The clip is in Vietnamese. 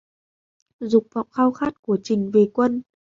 Dục vọng khao khát của trình về Quân